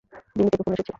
দিল্লি থেকে ফোন এসেছে।